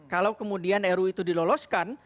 kalau kemudian ru itu diloloskan